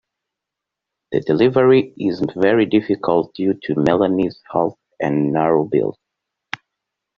The delivery is very difficult due to Melanie's health and narrow build.